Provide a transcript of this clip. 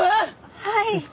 はい。